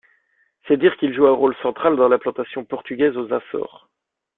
C'est dire qu'il joua un rôle central dans l'implantation portugaise aux Açores.